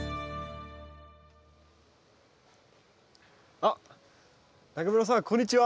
あっ永村さんこんにちは。